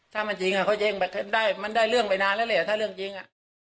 ถ้ามันยิงเขายิงได้มันได้เรื่องไปนานแล้วแหละถ้าเรื่องจริง